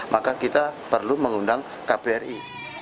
maka kita perlu mengundang kbri